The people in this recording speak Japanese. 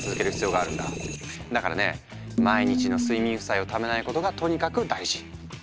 だからね毎日の睡眠負債をためないことがとにかく大事。